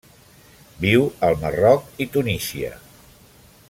Viu al Marroc i Tunísia.